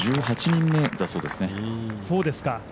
１８人目だそうですね。